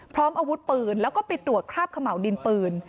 พร้อมอาวุธปืนแล้วก็ปิดด่วนคราพเขมรดินปืน